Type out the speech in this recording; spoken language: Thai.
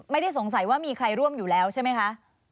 ไม่ได้สงสัยว่ามีใครร่วมอยู่แล้วใช่ไหมคะ